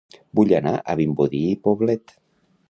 Vull anar a Vimbodí i Poblet